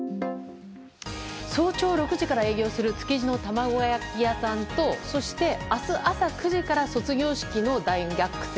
早朝６時から営業する築地の卵焼き屋さんと明日朝９時から卒業式の大学生。